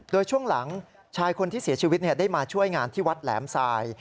โดยช่วงหลังชายคนที่เสียชีวิตได้มาช่วยงานที่วัดแหลมทราย